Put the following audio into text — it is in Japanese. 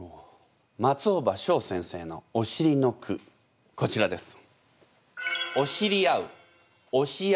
松尾葉翔先生の「おしり」の句こちらです。